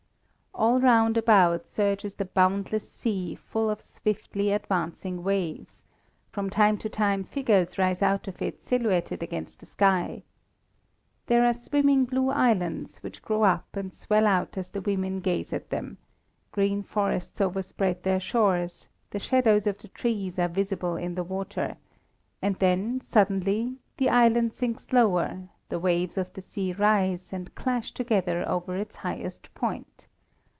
All round about surges the boundless sea full of swiftly advancing waves; from time to time figures rise out of it silhouetted against the sky. There are swimming blue islands, which grow up and swell out as the women gaze at them, green forests overspread their shores, the shadows of the trees are visible in the water; and then, suddenly, the island sinks lower, the waves of the sea rise, and clash together over its highest point.